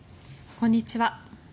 こんにちは。